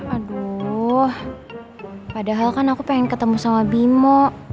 aduh padahal kan aku pengen ketemu sama bimo